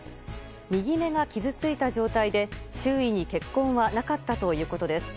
右目が傷ついた状態で周囲に血痕はなかったということです。